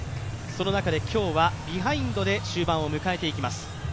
その中で今日は、ビハインドで終盤を迎えていきます。